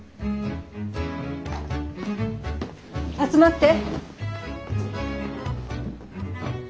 集まって。